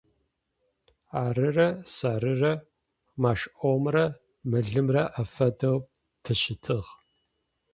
Арырэ сэрырэ машӏомрэ мылымрэ афэдэу тыщытыгъ.